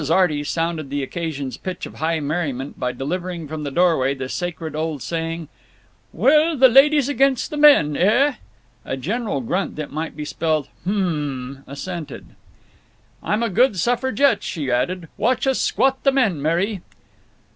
Arty sounded the occasion's pitch of high merriment by delivering from the doorway the sacred old saying, "Well, the ladies against the men, eh?" A general grunt that might be spelled "Hmmmmhm" assented. "I'm a good suffragette," she added. "Watch us squat the men, Mary."